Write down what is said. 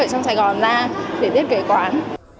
ở trong sài gòn ra để tiết kể quán